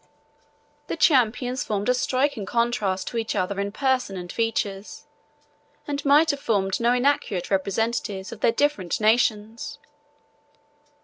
The champions formed a striking contrast to each other in person and features, and might have formed no inaccurate representatives of their different nations.